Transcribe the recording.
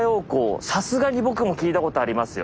さすがに僕も聞いたことありますよ。